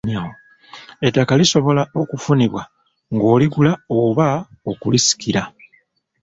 Ettaka lisobola okufunibwa ng'oligula oba okulisikira.